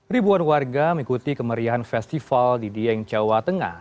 ribuan warga mengikuti kemeriahan festival di dieng jawa tengah